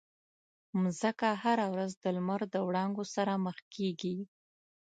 مځکه هره ورځ د لمر د وړانګو سره مخ کېږي.